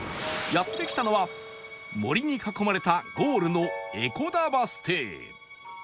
やって来たのは森に囲まれたゴールの江古田バス停